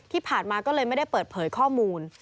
ที่ผ่านมาก็เลยไม่ได้เปิดเผยข้อมูล